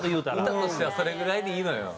歌としてはそれぐらいでいいのよ。